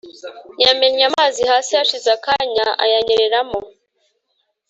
Yamennye amazi hasi hashize akanya ayanyereramo